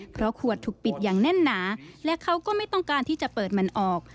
เพราะขวดถูกปิดอย่างแน่นหนาและเขาก็ไม่ต้องการที่จะเปิดมันออก